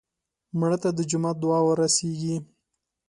مړه ته د جومات دعا ورسېږي